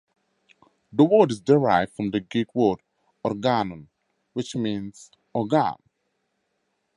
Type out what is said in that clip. The word is derived from the Greek word "organon", which means "organ".